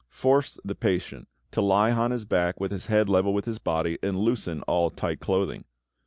Force the patient to lie on his back with his head level with his body, and loosen all tight clothing.